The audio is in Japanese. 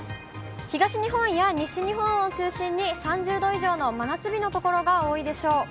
東日本や西日本を中心に、３０度以上の真夏日の所が多いでしょう。